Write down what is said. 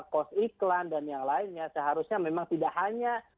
kos iklan dan yang lainnya seharusnya memang tidak hanya